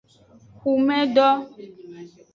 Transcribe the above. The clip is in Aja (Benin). Hunmedo.